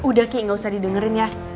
udah ki gak usah didengerin ya